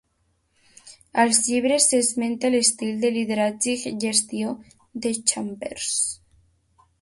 Als llibres s'esmenta l'estil de lideratge i gestió de Chambers.